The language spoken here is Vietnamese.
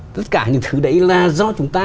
tất cả những thứ đấy là do chúng ta